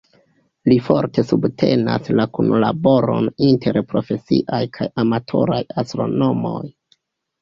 Li forte subtenas la kunlaboron inter profesiaj kaj amatoraj astronomoj.